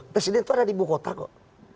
presiden itu ada di ibu kota kok